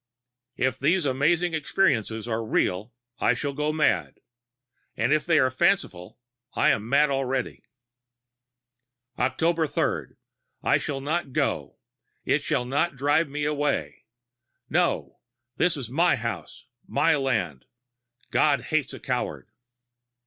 If these amazing experiences are real I shall go mad; if they are fanciful I am mad already. "Oct. 3. I shall not go it shall not drive me away. No, this is my house, my land. God hates a coward....